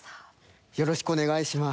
よろしくお願いします。